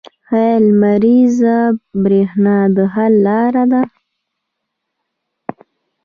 آیا لمریزه بریښنا د حل لاره ده؟